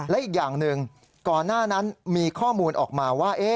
และอีกอย่างหนึ่งก่อนหน้านั้นมีข้อมูลออกมาว่า